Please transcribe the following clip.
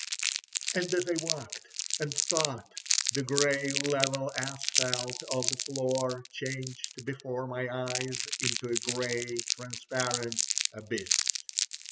And as I walked, and thought, the grey level asphalt of the floor changed before my eyes into a grey, transparent abyss.